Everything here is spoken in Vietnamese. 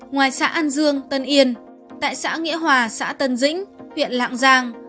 ngoài xã an dương tân yên tại xã nghĩa hòa xã tân dĩnh huyện lạng giang